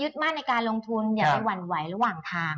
มั่นในการลงทุนอย่าไปหวั่นไหวระหว่างทาง